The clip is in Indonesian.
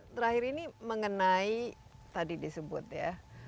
terakhir ini mengenai tadi disebut ya